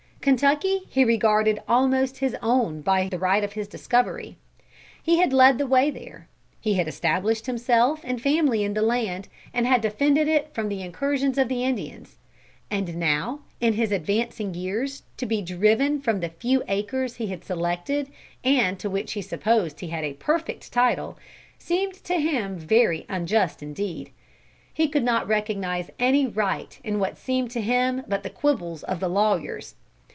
Kentucky he regarded almost his own by the right of his discovery. He had led the way there. He had established himself and family in the land, and had defended it from the incursions of the Indians. And now, in his advancing years, to be driven from the few acres he had selected and to which he supposed he had a perfect title, seemed to him very unjust indeed. He could not recognise any right in what seemed to him but the quibbles of the lawyers.